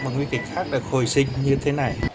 và nguy kịch khác đã khồi sinh như thế này